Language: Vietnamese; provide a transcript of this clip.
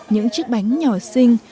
những chiếc bánh nhỏ xinh